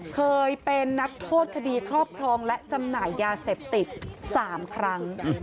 เคยเป็นนักโทษคดีครอบครองและจำหน่ายยาเสพติด๓ครั้ง